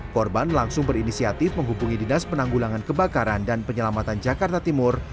korban langsung berinisiatif menghubungi dinas penanggulangan kebakaran dan penyelamatan jakarta timur